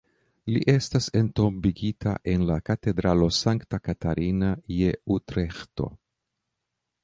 Li estas entombigita en la katedralo Sankta Katarina je Utreĥto.